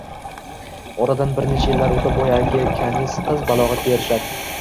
Oradan bir necha yillar o’tib, boyagi kaniz qiz balog’atga erishadi